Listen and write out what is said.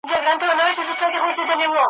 زهر مار د دواړو وچ کړله رګونه ,